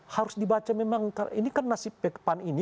harus dibaca memang ini kan nasib pan ini